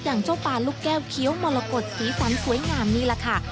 อย่างเจ้าปลาลูกแก้วเคี้ยวมรกฏสีสันสวยงามนี่แหละค่ะ